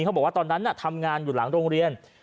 เขาบอกว่าตอนนั้นทำงานอยู่หลังโรงเรียน